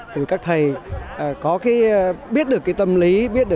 từ các thầy có cái biết được cái tâm lý